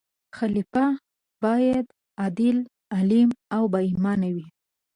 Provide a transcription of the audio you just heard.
خلیفه باید عادل، عالم او با ایمان وي.